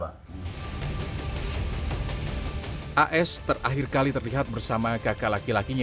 as terakhir kali terlihat bersama kakak laki lakinya